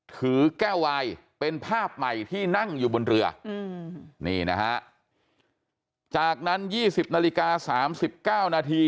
ถือแก้ววายเป็นภาพใหม่ที่นั่งอยู่บนเรืออืมนี่นะฮะจากนั้นยี่สิบนาฬิกาสามสิบเก้านาที